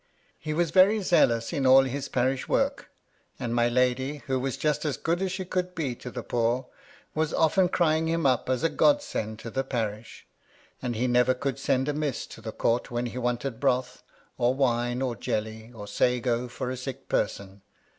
He was very zealous in all his parish work ; and my lady, who was just as good as she could be to the poor, was often cr3dng him up as a godsend to the parish, and he never could send amiss to the Court when he wanted broth, or wine, or jelly, or sago for a sick person.